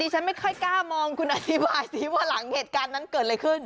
ฉันไม่ค่อยกล้ามองคุณอธิบายสิว่าหลังเหตุการณ์นั้นเกิดอะไรขึ้น